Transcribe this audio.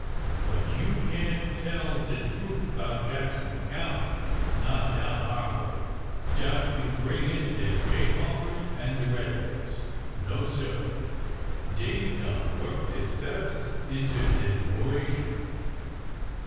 But you can't tell de truth 'bout Jackson County— not down our way— 'dout you bring in de jayhawkers an' de red legs. No, sir I Dey done worked dey selves into de norration!''